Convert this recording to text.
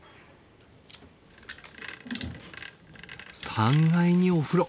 ３階にお風呂。